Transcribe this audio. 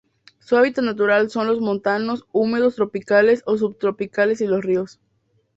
Su hábitat natural son los montanos húmedos tropicales o subtropicales y los ríos.